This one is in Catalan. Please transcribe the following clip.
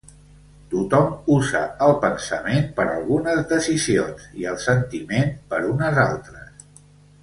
Tothom usa el Pensament per algunes decisions i el Sentiment per unes altres.